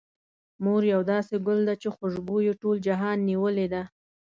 مور يو داسې ګل ده، چې خوشبو يې ټول جهان نيولې ده.